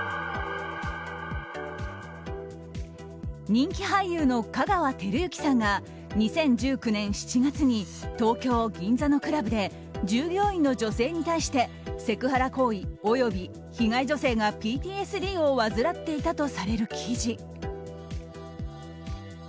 人気俳優の香川照之さんが２０１９年７月に東京・銀座のクラブで従業員の女性に対してセクハラ行為及び被害女性がＰＴＳＤを患っていたとされる記事。